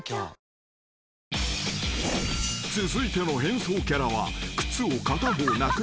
［続いての変装キャラは］